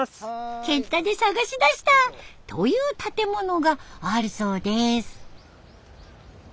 ケッタで探し出したという建物があるそうです。